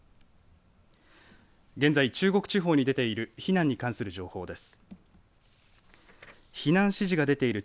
現在、中国地方に出ている避難に関する情報です。